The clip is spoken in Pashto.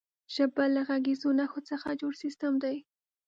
ژبه له غږیزو نښو څخه جوړ سیستم دی.